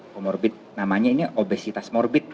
comorbid namanya ini obesitas morbid